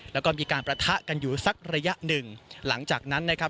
แล้วก็มีการประทะกันอยู่สักระยะหนึ่งหลังจากนั้นนะครับ